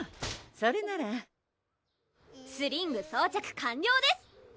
それならスリング装着完了です！